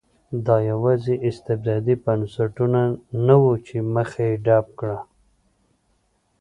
دا یوازې استبدادي بنسټونه نه وو چې مخه یې ډپ کړه.